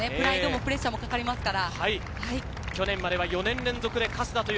プレッシャーもかかりますから。